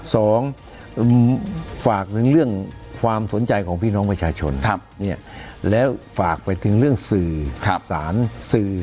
สองฝากถึงเรื่องความสนใจของพี่น้องประชาชนแล้วฝากไปถึงเรื่องสื่อสารสื่อ